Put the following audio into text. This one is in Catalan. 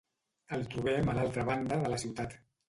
El trobem a l'altra banda de la ciutat.